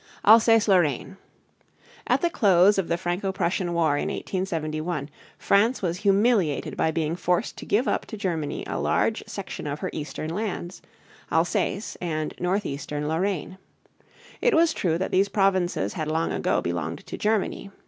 ALSACE LORRAINE. At the close of the Franco Prussian War in 1871, France was humiliated by being forced to give up to Germany a large section of her eastern lands Alsace and northeastern Lorraine. It was true that these provinces had long ago belonged to Germany.